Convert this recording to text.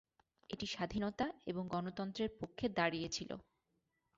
এটি স্বাধীনতা এবং গণতন্ত্রের পক্ষে দাঁড়িয়েছিল।